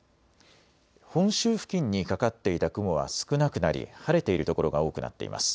本州付近にかかっていた雲は少なくなり晴れている所が多くなっています。